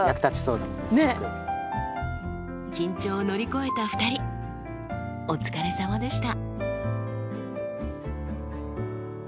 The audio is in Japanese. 緊張を乗り越えた２人お疲れさまでした。